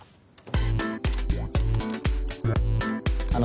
あの。